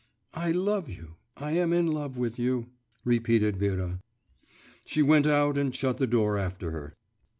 … 'I love you, I am in love with you,' repeated Vera. She went out and shut the door after her.